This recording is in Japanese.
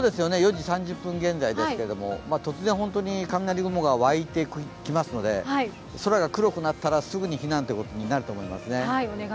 ４時３０分現在ですけども突然、雷雲が湧いてきますので空が黒くなったらすぐに避難ということになると思いますね。